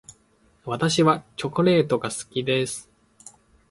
私はチョコレートが好きです。